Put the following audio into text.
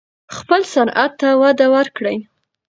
خپل صنعت ته وده ورکړئ.